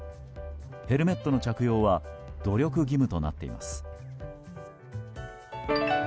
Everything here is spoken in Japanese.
ヘルメットの着用は努力義務となっています。